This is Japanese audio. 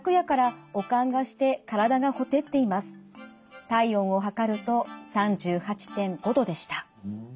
体温を測ると３８．５度でした。